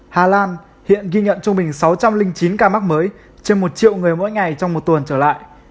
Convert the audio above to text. hà lan hiện ghi nhận trung bình sáu trăm linh chín ca mắc mới trên một triệu người mỗi ngày trong một tuần trở lại